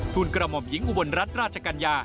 กระหม่อมหญิงอุบลรัฐราชกัญญา